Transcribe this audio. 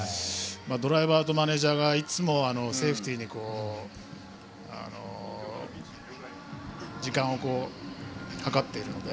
ドライバーとマネージャーがいつもセーフティーに時間を計っているので。